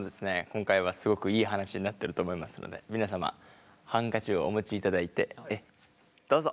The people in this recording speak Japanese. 今回はすごくいい話になってると思いますので皆様ハンカチをお持ちいただいてどうぞ。